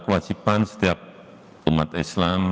kewajiban setiap umat islam